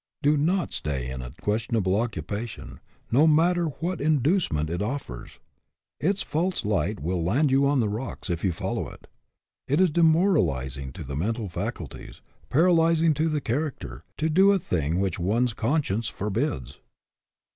"Do not stay in a questionable occupation, no matter what in ducement it offers. Its false light will land you on the rocks if you follow it. It is demor alizing to the mental faculties, paralyzing to the character, to do a thing which one's con science forbids."